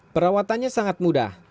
perawatannya sangat mudah